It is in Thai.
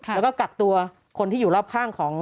แล้วก็กักตัวคนที่อยู่รอบข้างของ